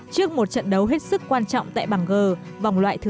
trước một trận đấu hết sức quan trọng tại bảng g vòng loại thứ hai